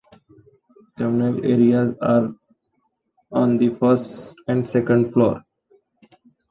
Communal areas are on the first and the second floor.